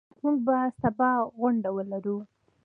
موږ به سبا غونډه ولرو.